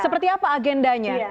seperti apa agendanya